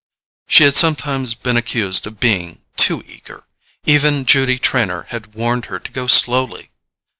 She had sometimes been accused of being too eager—even Judy Trenor had warned her to go slowly.